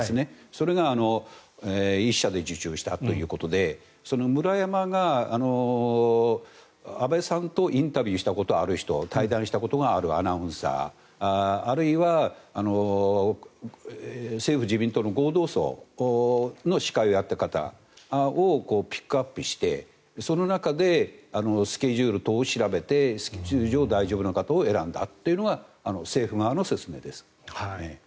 それが１社で受注したということでムラヤマが安倍さんとインタビューしたことがある人対談したことがあるアナウンサーあるいは政府・自民党の合同葬の司会をやった方をピックアップしてその中でスケジュール等を調べてスケジュール上大丈夫な方を選んだというのが政府側の説明です。